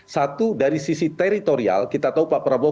satu dari sisi teritorial kita tahu pak prabowo